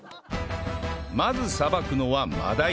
まずさばくのはマダイ